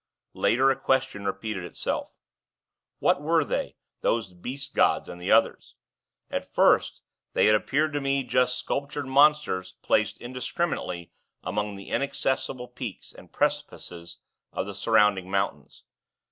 Later, a question repeated itself. What were they, those Beast gods, and the others? At first, they had appeared to me just sculptured Monsters placed indiscriminately among the inaccessible peaks and precipices of the surrounding mountains.